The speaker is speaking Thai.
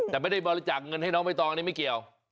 แต่ไม่ได้บริจาคเงินให้น้องใบตองนี่ไม่เกี่ยว